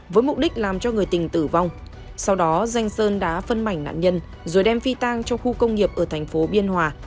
với mục đích làm cho người tình tử vong sau đó danh sơn đã phân mảnh nạn nhân rồi đem phi tang trong khu công nghiệp ở thành phố biên hòa